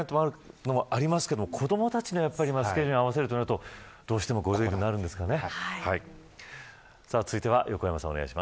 休みを取れないというのもありますが、子どもたちのスケジュールに合わせるとなるとどうしてもこうなるんですかね。